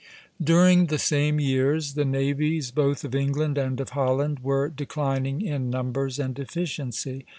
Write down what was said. During the same years the navies both of England and of Holland were declining in numbers and efficiency.